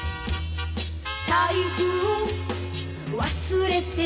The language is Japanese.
「財布を忘れて」